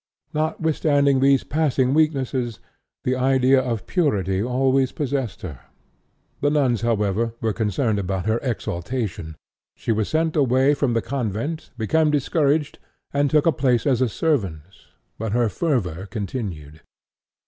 Notwithstanding these passing weaknesses, the idea of purity always possessed her. The nuns, however, were concerned about her exaltation. She was sent away from the convent, became discouraged, and took a place as a servant, but her fervor continued.